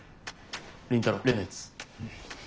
倫太郎例のやつ。